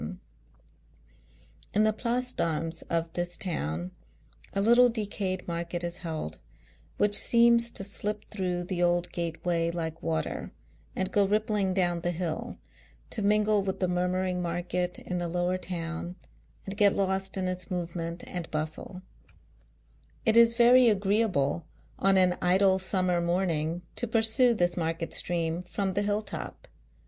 It is a place wonderfully populous in children ; English children, with governesses through the old gateway, like water, and go rippling down the hill, to mingle with the murmuring market in the lower town, and get lost in its movement and bustle. It is very agreeable on an idle summer morning to pursue this market stream from the hill top.